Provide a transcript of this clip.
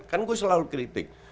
kan gue selalu kritik